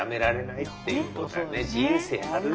人生あるよ。